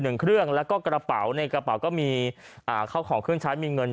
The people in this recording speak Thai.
หนึ่งเครื่องแล้วก็กระเป๋าในกระเป๋าก็มีอ่าเข้าของเครื่องใช้มีเงิน